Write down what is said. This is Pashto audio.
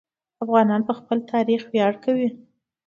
افغانان په خپل تاریخ ویاړ کوي.